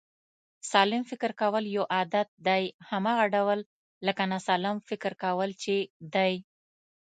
سالم فکر کول یو عادت دی، هماغه ډول لکه ناسلم فکر کول چې دی